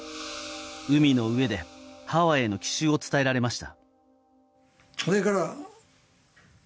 海の上でハワイへの奇襲を伝えられました。